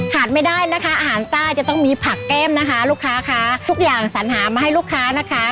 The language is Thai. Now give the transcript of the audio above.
ไม่ได้นะคะอาหารใต้จะต้องมีผักแก้มนะคะลูกค้าค่ะทุกอย่างสัญหามาให้ลูกค้านะคะ